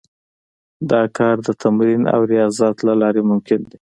دا کار د تمرين او رياضت له لارې ممکن دی.